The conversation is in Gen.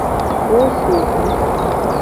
Wo so vi.